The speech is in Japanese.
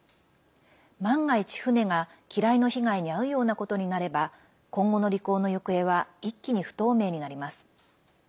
万が一、船が機雷の被害に遭うようなことになれば今後の履行の行方は一気に不透明になります。